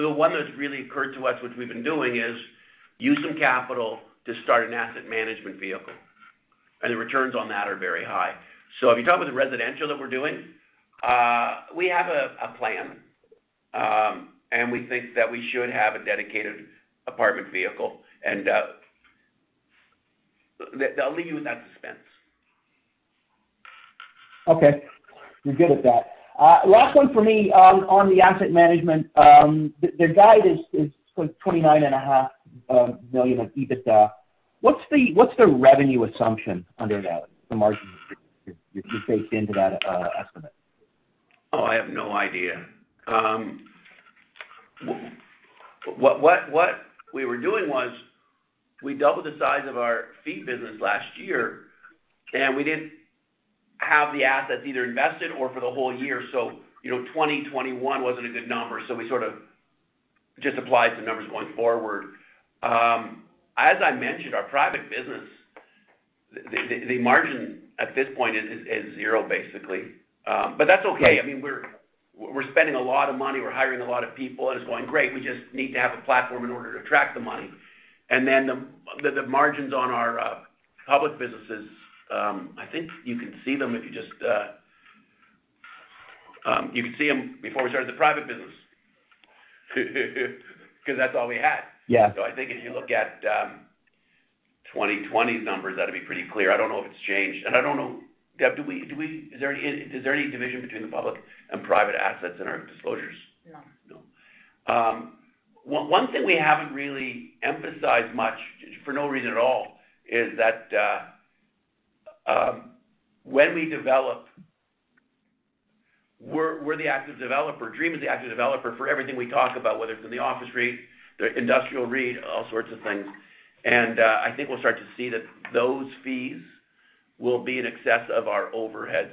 the one that's really occurred to us, which we've been doing, is use some capital to start an asset management vehicle, and the returns on that are very high. If you're talking about the residential that we're doing, we have a plan. We think that we should have a dedicated apartment vehicle. I'll leave you in that suspense. Okay. You're good at that. Last one for me. On the asset management, the guide is 29.5 million of EBITDA. What's the revenue assumption under that, the margin you baked into that estimate? I have no idea. What we were doing was we doubled the size of our fee business last year, and we didn't have the assets either invested or for the whole year, so, you know, 2021 wasn't a good number, so we sort of just applied some numbers going forward. As I mentioned, our private business, the margin at this point is 0, basically. But that's okay. I mean, we're spending a lot of money. We're hiring a lot of people, and it's going great. We just need to have a platform in order to attract the money. The margins on our public businesses, I think you can see them if you just. You can see them before we started the private business. Because that's all we had. Yeah. I think if you look at 2020's numbers, that'll be pretty clear. I don't know if it's changed, and I don't know. Deb, do we. Is there any division between the public and private assets in our disclosures? No. No. One thing we haven't really emphasized much, for no reason at all, is that, when we develop, we're the active developer. Dream is the active developer for everything we talk about, whether it's in the office REIT, the industrial REIT, all sorts of things. I think we'll start to see that those fees will be in excess of our overheads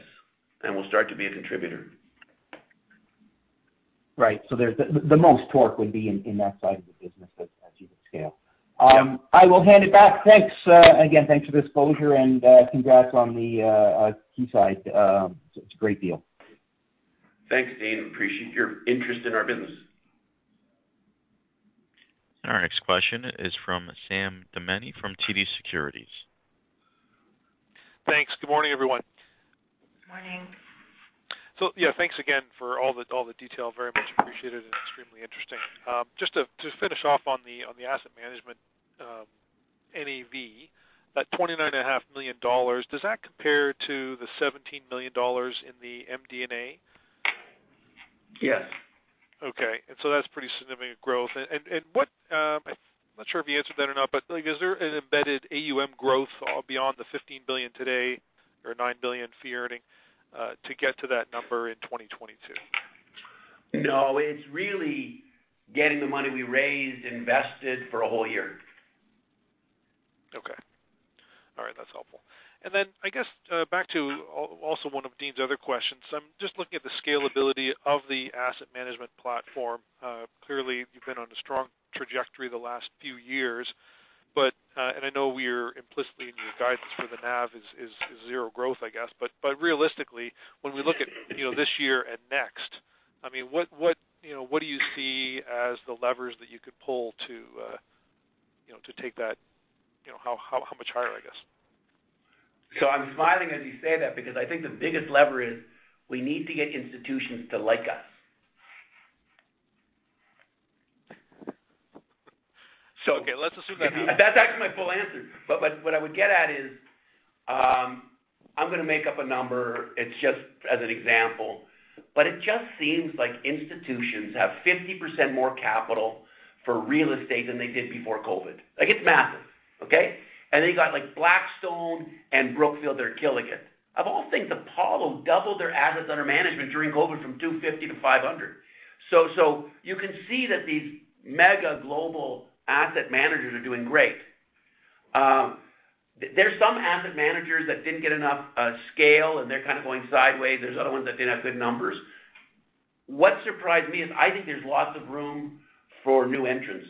and will start to be a contributor. Right. There's the most torque would be in that side of the business as you would scale. I will hand it back. Thanks. Again, thanks for the exposure and, congrats on the Quayside. It's a great deal. Thanks, Dean. I appreciate your interest in our business. Our next question is from Sam Damiani from TD Securities. Thanks. Good morning, everyone. Morning. Yeah, thanks again for the detail. Very much appreciated, and extremely interesting. Just finish off on the asset management, NAV, that 29.5 million dollars, does that compare to the 17 million dollars in the MD&A? Yes. Okay. That's pretty significant growth. I'm not sure if you answered that or not, but like, is there an embedded AUM growth beyond the 15 billion today or 9 billion fee earning to get to that number in 2022? No, it's really getting the money we raised invested for a whole year. Okay. All right. That's helpful. I guess, back to also one of Dean's other questions. I'm just looking at the scalability of the asset management platform. Clearly, you've been on a strong trajectory the last few years, but, and I know we're implicitly in your guidance for the NAV is 0 growth, I guess. Realistically, when we look at, you know, this year and next, I mean, what, you know, what do you see as the levers that you could pull to, you know, to take that, you know, how much higher, I guess? I'm smiling as you say that because I think the biggest lever is we need to get institutions to like us. Okay, let's assume that. That's actually my full answer. What I would get at is, I'm gonna make up a number, it's just as an example, but it just seems like institutions have 50% more capital for real estate than they did before COVID. Like, it's massive, okay? You got, like, Blackstone and Brookfield that are killing it. I also think Apollo doubled their assets under management during COVID from 250 to 500. So you can see that these mega global asset managers are doing great. There's some asset managers that didn't get enough scale, and they're kind of going sideways. There's other ones that didn't have good numbers. What surprised me is I think there's lots of room for new entrants.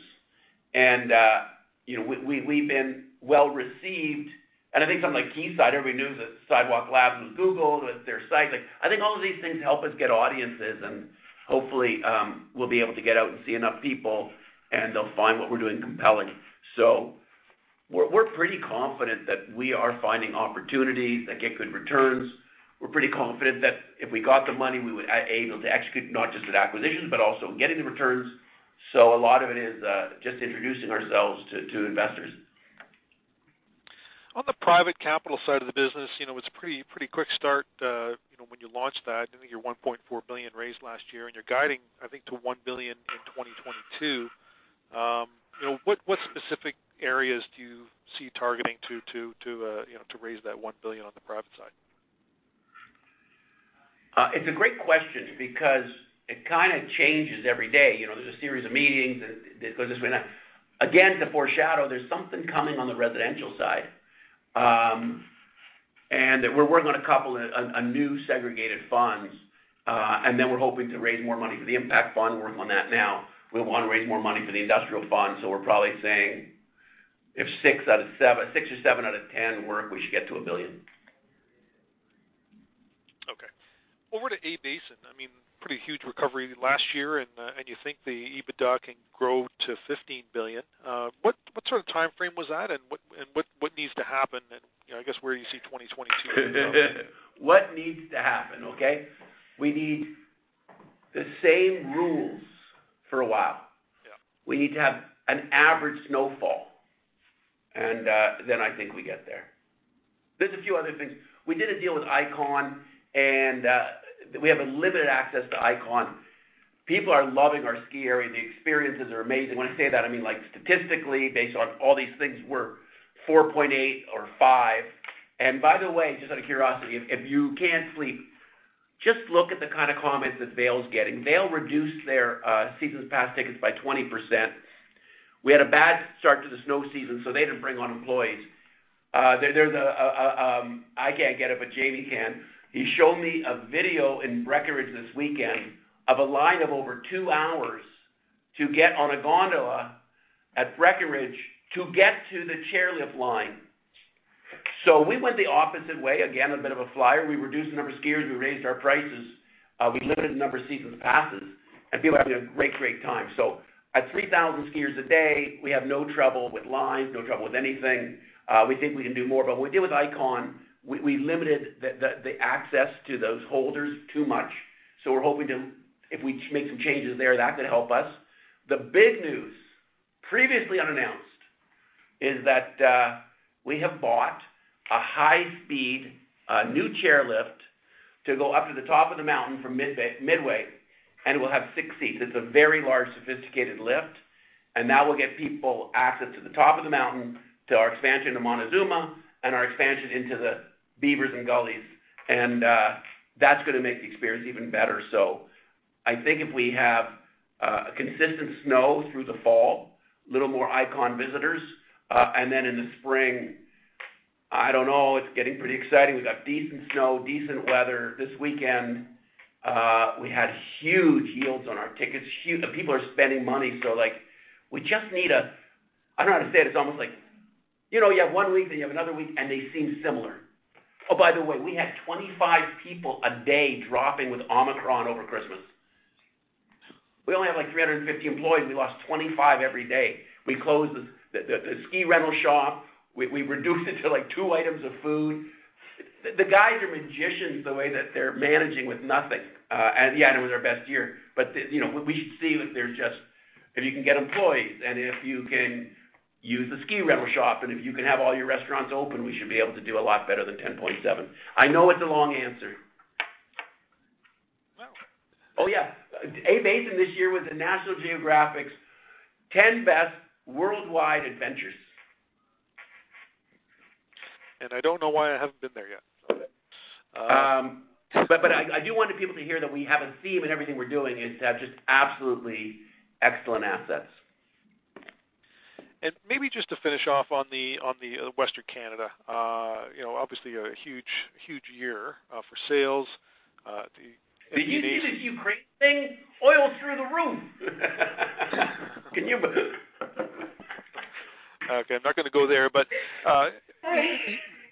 You know, we've been well received. I think something like Quayside, everybody knows that Sidewalk Labs with Google, with their site. Like, I think all of these things help us get audiences, and hopefully, we'll be able to get out and see enough people, and they'll find what we're doing compelling. We're pretty confident that we are finding opportunities that get good returns. We're pretty confident that if we got the money, we would able to execute not just with acquisitions, but also getting the returns. A lot of it is just introducing ourselves to investors. On the private capital side of the business, you know, it's pretty quick start, you know, when you launched that. I think your 1.4 billion raised last year, and you're guiding, I think, to 1 billion in 2022. You know, what specific areas do you see targeting to, you know, to raise that 1 billion on the private side? It's a great question because it kind of changes every day. You know, there's a series of meetings that goes this way. Now, again, to foreshadow, there's something coming on the residential side. We're working on a couple of new segregated funds, and then we're hoping to raise more money for the impact fund. We're working on that now. We want to raise more money for the industrial fund, so we're probably saying if 6 or 7 out of 10 work, we should get to 1 billion. Okay. Over to A-Basin, I mean, pretty huge recovery last year, and you think the EBITDA can grow to 15 billion. What sort of timeframe was that, and what needs to happen? You know, I guess where you see 2022 ending up. What needs to happen, okay? We need the same rules for a while. Yeah. We need to have an average snowfall, and then I think we get there. There's a few other things. We did a deal with Ikon, and we have a limited access to Ikon. People are loving our ski area, and the experiences are amazing. When I say that, I mean, like, statistically, based on all these things, we're 4.8 or five. By the way, just out of curiosity, if you can't sleep, just look at the kind of comments that Vail's getting. Vail reduced their season pass tickets by 20%. We had a bad start to the snow season, so they didn't bring on employees. I can't get it, but Jamie can. He showed me a video in Breckenridge this weekend of a line of over 2 hours to get on a gondola at Breckenridge to get to the chairlift line. We went the opposite way. Again, a bit of a flyer. We reduced the number of skiers. We raised our prices. We limited the number of season passes, and people are having a great time. At 3,000 skiers a day, we have no trouble with lines, no trouble with anything. We think we can do more. When we deal with Ikon, we limited the access to those holders too much. We're hoping to, if we make some changes there, that could help us. The big news, previously unannounced, is that we have bought a high speed new chairlift to go up to the top of the mountain from midway, and we'll have 6 seats. It's a very large, sophisticated lift, and that will get people access to the top of the mountain to our expansion of Montezuma and our expansion into the Beavers and Gullies. That's gonna make the experience even better. I think if we have a consistent snow through the fall, a little more iconic visitors, and then in the spring, I don't know, it's getting pretty exciting. We've got decent snow, decent weather. This weekend we had huge yields on our tickets. Huge. The people are spending money. Like, we just need a. I don't know how to say it. It's almost like, you know, you have one week, then you have another week, and they seem similar. Oh, by the way, we had 25 people a day dropping with Omicron over Christmas. We only have like 350 employees. We lost 25 every day. We closed the ski rental shop. We reduced it to like two items of food. The guys are magicians the way that they're managing with nothing. Yeah, it was our best year. You know, we see that they're just if you can get employees, and if you can use the ski rental shop, and if you can have all your restaurants open, we should be able to do a lot better than 10.7. I know it's a long answer. Well- Oh, yeah. A-Basin this year was in National Geographic's 10 best worldwide adventures. I don't know why I haven't been there yet. I do want the people to hear that we have a theme in everything we're doing, is to have just absolutely excellent assets. Maybe just to finish off on the Western Canada. You know, obviously a huge year for sales. Did you see the Ukraine thing? Oil through the roof. Can you believe it? Okay. I'm not gonna go there. Sorry...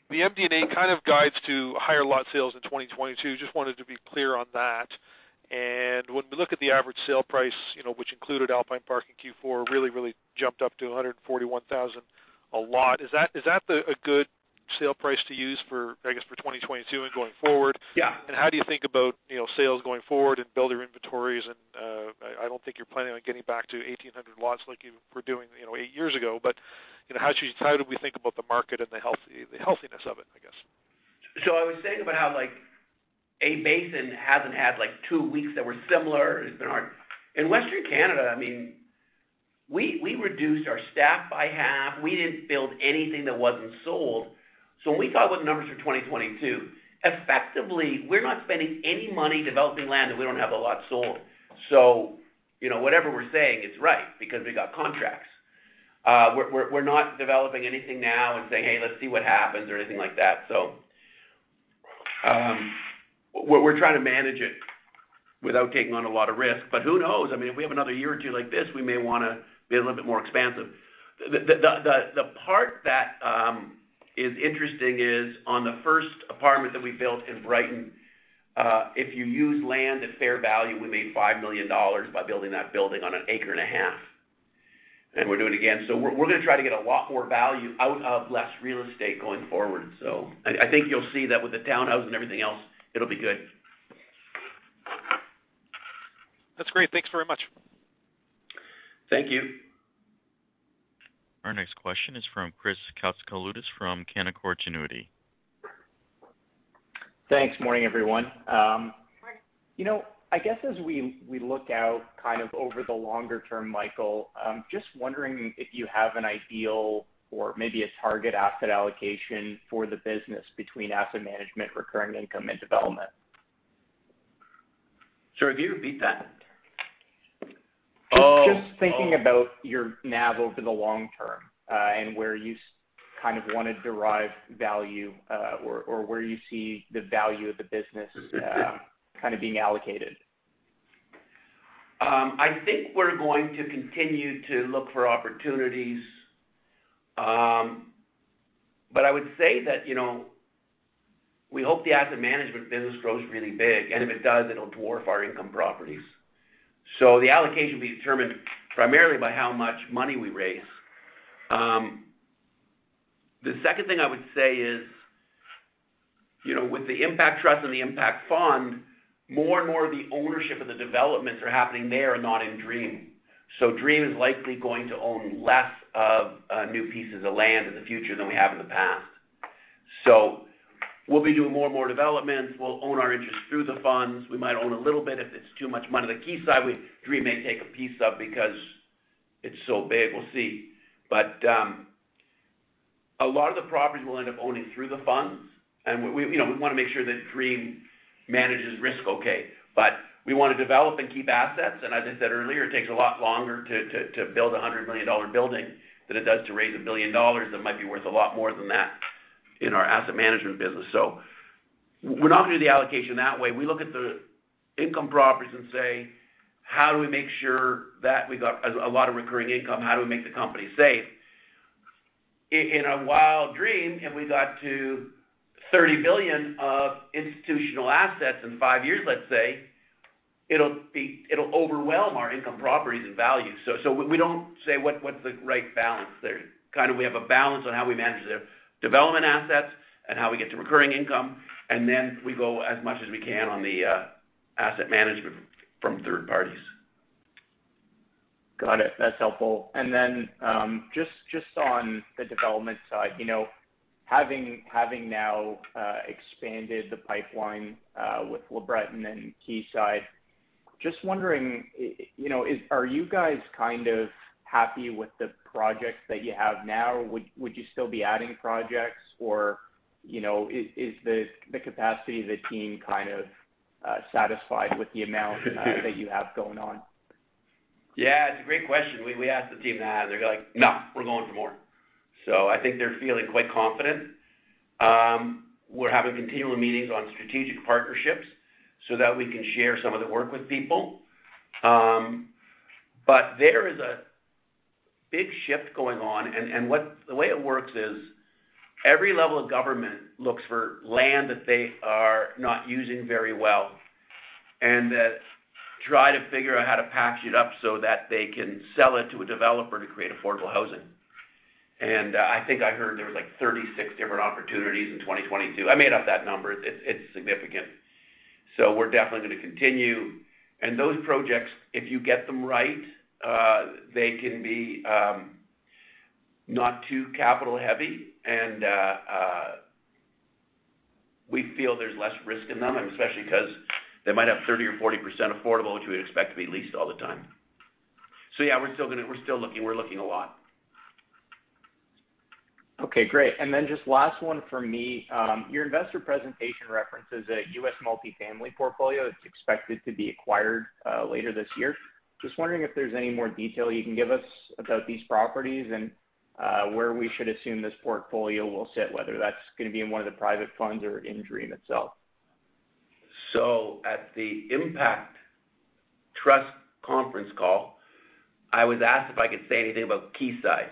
the MD&A kind of guides to higher lot sales in 2022. Just wanted to be clear on that. When we look at the average sale price, you know, which included Alpine Park in Q4, really, really jumped up to 141,000 a lot. Is that, is that a good sale price to use for, I guess, for 2022 and going forward? Yeah. How do you think about, you know, sales going forward and builder inventories and, I don't think you're planning on getting back to 1,800 lots like you were doing, you know, eight years ago. You know, how do we think about the market and the healthiness of it, I guess? I was saying about how, like, A-Basin hasn't had, like, two weeks that were similar. It's been hard. In Western Canada, we reduced our staff by half. We didn't build anything that wasn't sold. When we thought about the numbers for 2022, effectively, we're not spending any money developing land if we don't have a lot sold. You know, whatever we're saying is right because we got contracts. We're not developing anything now and saying, "Hey, let's see what happens," or anything like that. We're trying to manage it without taking on a lot of risk. Who knows? I mean, if we have another year or two like this, we may wanna be a little bit more expansive. The part that is interesting is on the first apartment that we built in Brightwater, if you use land at fair value, we made 5 million dollars by building that building on an acre and a half, and we're doing it again. We're gonna try to get a lot more value out of less real estate going forward. I think you'll see that with the townhouse and everything else, it'll be good. That's great. Thanks very much. Thank you. Our next question is from Chris Koutsikaloudis from Canaccord Genuity. Thanks. Morning, everyone. Morning you know, I guess as we look out kind of over the longer term, Michael, just wondering if you have an idea or maybe a target asset allocation for the business between asset management, recurring income, and development. Sorry, could you repeat that? Oh. Oh. Just thinking about your NAV over the long term, and where you kind of wanna derive value, or where you see the value of the business. Yeah kind of being allocated. I think we're going to continue to look for opportunities. I would say that, you know, we hope the asset management business grows really big, and if it does, it'll dwarf our income properties. The allocation will be determined primarily by how much money we raise. The second thing I would say is, you know, with the impact trust and the impact fund, more and more of the ownership of the developments are happening there, not in Dream. Dream is likely going to own less of new pieces of land in the future than we have in the past. We'll be doing more and more developments. We'll own our interest through the funds. We might own a little bit if it's too much money. The Quayside, Dream may take a piece of because it's so big. We'll see. A lot of the properties we'll end up owning through the funds. We you know we wanna make sure that Dream manages risk okay. We wanna develop and keep assets, and as I said earlier, it takes a lot longer to build a 100 million dollar building than it does to raise 1 billion dollars that might be worth a lot more than that in our asset management business. We're not gonna do the allocation that way. We look at the income properties and say, "How do we make sure that we got a lot of recurring income? How do we make the company safe?" In a wild dream, if we got to 30 billion of institutional assets in 5 years, let's say, it'll overwhelm our income properties and value. We don't say what's the right balance there. Kind of, we have a balance on how we manage the development assets and how we get the recurring income, and then we go as much as we can on the asset management from third parties. Got it. That's helpful. Just on the development side, you know, having now expanded the pipeline with LeBreton and Quayside, just wondering, you know, are you guys kind of happy with the projects that you have now? Would you still be adding projects? Or, you know, is the capacity of the team kind of satisfied with the amount that you have going on? Yeah, it's a great question. We asked the team that, they're like, "No, we're going for more." I think they're feeling quite confident. We're having continual meetings on strategic partnerships so that we can share some of the work with people. There is a big shift going on. The way it works is every level of government looks for land that they are not using very well, and that try to figure out how to patch it up so that they can sell it to a developer to create affordable housing. I think I heard there was like 36 different opportunities in 2022. I made up that number. It's significant. We're definitely gonna continue. Those projects, if you get them right, they can be not too capital-heavy and we feel there's less risk in them, and especially 'cause they might have 30% or 40% affordable, which we would expect to be leased all the time. Yeah, we're still looking. We're looking a lot. Okay, great. Just last one from me. Your investor presentation references a U.S. multifamily portfolio that's expected to be acquired later this year. Just wondering if there's any more detail you can give us about these properties and where we should assume this portfolio will sit, whether that's gonna be in one of the private funds or in Dream itself. At the Impact Trust conference call, I was asked if I could say anything about Quayside.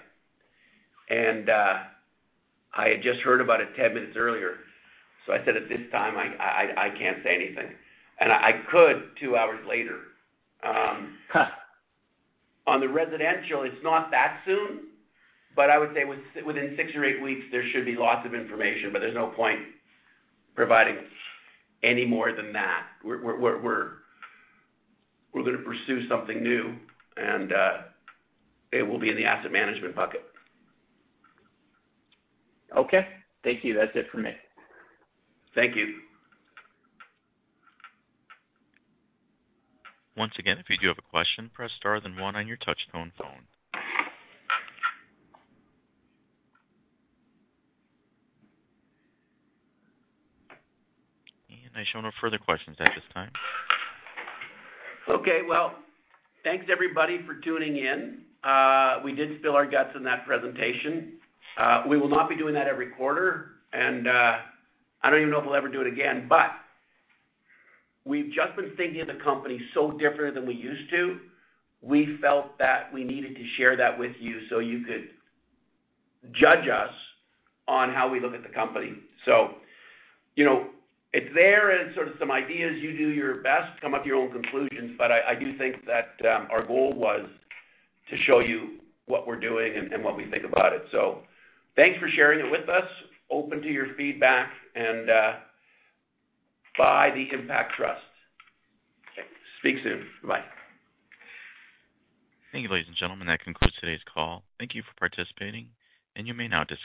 I had just heard about it 10 minutes earlier, so I said, "At this time, I can't say anything." I could two hours later. On the residential, it's not that soon, but I would say within 6 or 8 weeks, there should be lots of information, but there's no point providing any more than that. We're gonna pursue something new, and it will be in the asset management bucket. Okay. Thank you. That's it for me. Thank you. Once again, if you do have a question, press star then one on your touch-tone phone. I see no further questions at this time. Okay. Well, thanks, everybody, for tuning in. We did spill our guts in that presentation. We will not be doing that every quarter, and I don't even know if we'll ever do it again. We've just been thinking of the company so different than we used to. We felt that we needed to share that with you so you could judge us on how we look at the company. You know, it's there and sort of some ideas. You do your best, come up with your own conclusions. I do think that our goal was to show you what we're doing and what we think about it. Thanks for sharing it with us. Open to your feedback and buy the Impact Trust. Okay. Speak soon. Bye. Thank you, ladies and gentlemen. That concludes today's call. Thank you for participating, and you may now disconnect.